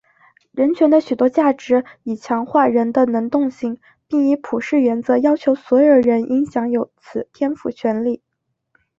人权的许多价值以强化人的能动性并以普世原则要求所有人应享有此天赋权利。